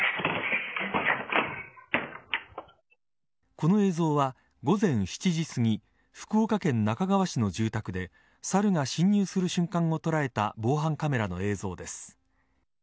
この映像は午前７時すぎ福岡県那珂川市の住宅でサルが侵入する瞬間を捉えた防犯カメラの映像です。